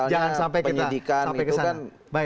jangan sampai kita kesana